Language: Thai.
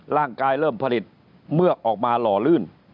ร่างกายเริ่มผลิตเมื่อออกมาหล่อลื่น